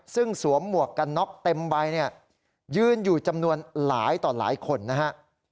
ซึ่งสวมหมวกกันน็อกเต็มใบเนี่ยยืนอยู่จำนวนหลายต่อหลายคนนะฮะ